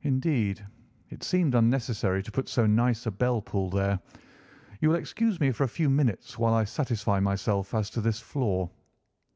"Indeed, it seemed unnecessary to put so nice a bell pull there. You will excuse me for a few minutes while I satisfy myself as to this floor."